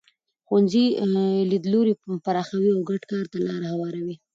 ښوونځي لیدلوري پراخوي او ګډ کار ته لاره هواروي.